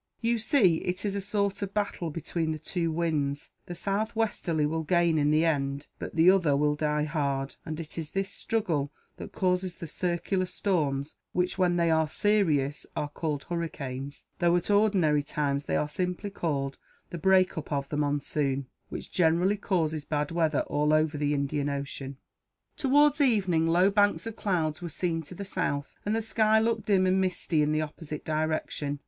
"You see, it is a sort of battle between the two winds; the southwesterly will gain, in the end, but the other will die hard; and it is this struggle that causes the circular storms which, when they are serious, are called hurricanes, though at ordinary times they are simply called the break up of the monsoon, which generally causes bad weather all over the Indian Ocean." Towards evening, low banks of cloud were seen to the south, and the sky looked dim and misty in the opposite direction.